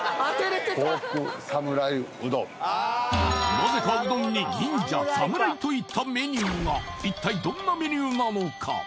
なぜかうどんに忍者侍といったメニューが一体どんなメニューなのか？